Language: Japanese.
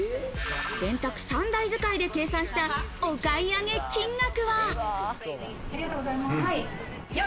電卓３台使いで計算した、お買い上げ金額は。